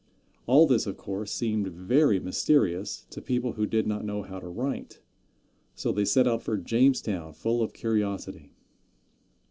All this, of course, seemed very mysterious to people who did not know how to write, so they set out for Jamestown full of curiosity.